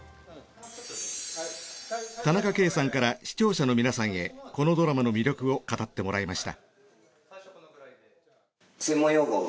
田中圭さんから視聴者の皆さんへこのドラマの魅力を語ってもらいました。